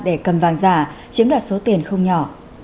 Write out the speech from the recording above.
để cầm vàng giả chiếm đoạt số tiền không nhỏ